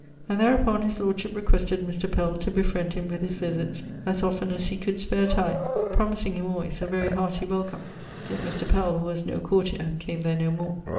And therupon his lordship requested Mr. Pell to befriend him with his visits as often as he could spare time, promising him always a very hearty welcome. Yet Mr. Pell who was no courtier came there no more.